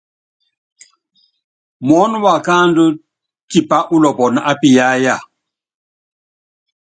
Muɔ́nɔ wákáandú tipá ulɔpɔnɔ ápiyáyaaaa.